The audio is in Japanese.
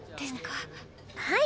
はい。